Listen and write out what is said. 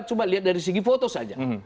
coba lihat dari segi foto saja